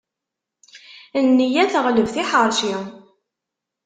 Nneyya teɣleb tiḥeṛci.